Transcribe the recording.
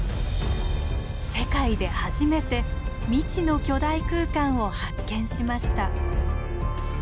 世界で初めて未知の巨大空間を発見しました。